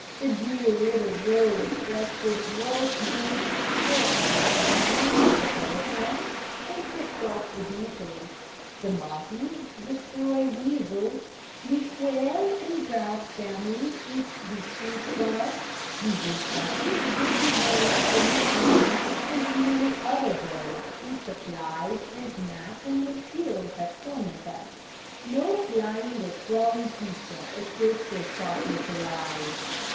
The dear little rose breasted gross beak carefully examines the potato plants, and picks off the beetles, the martins destroy weevil, the quail and grouse family eats the chinch bug, the woodpeckers dig the worms from the trees, and many other birds eat the flies and gnats and mosquitoes that torment us so. No flying or crawling creature escapes their sharp little eyes.